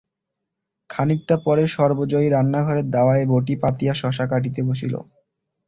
খানিকটা পরে সর্বজয়ী রান্নাঘরের দাওয়ায় বঁটি পাতিয়া শসা কাটিতে বসিল।